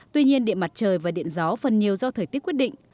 tuy nhiên điện mặt trời và điện gió phần nhiều do thời tiết quyết định